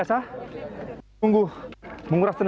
assalamualaikum warohmatullohiwabarokatuh protestant notary